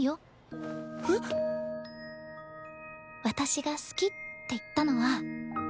私が好きって言ったのは。